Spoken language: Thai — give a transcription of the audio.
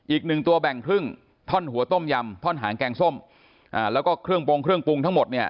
อีกหนึ่งตัวแบ่งครึ่งท่อนหัวต้มยำท่อนหางแกงส้มแล้วก็เครื่องปรุงเครื่องปรุงทั้งหมดเนี่ย